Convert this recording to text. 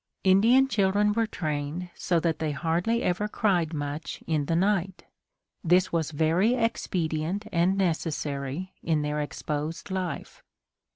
Indian children were trained so that they hardly ever cried much in the night. This was very expedient and necessary in their exposed life.